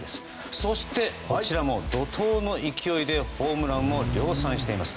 そして、こちらも怒涛の勢いでホームランを量産しています。